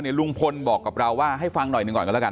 หลุงพลบอกกับเราว่าให้ฟังหน่อยก่อน